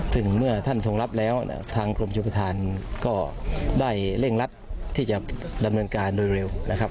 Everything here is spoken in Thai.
ซึ่งเมื่อท่านทรงรับแล้วทางกรมชมประธานก็ได้เร่งรัดที่จะดำเนินการโดยเร็วนะครับ